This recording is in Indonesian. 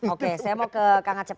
oke saya mau ke kang acep